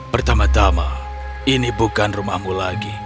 pertama tama ini bukan rumahmu lagi